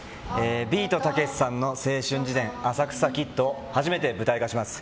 ビートたけしさんの青春自伝「浅草キッド」を初めて舞台化します。